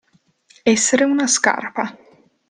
Essere una scarpa.